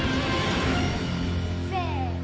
せの！